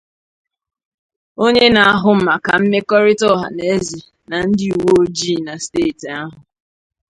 onye na-ahụ maka mmekọrịta ọhaneze na ndị uwee ojii na steeti ahụ